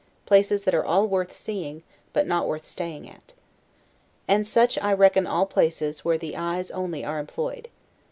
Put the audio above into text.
places that are all worth seeing; but not worth staying at. And such I reckon all places where the eyes only are employed.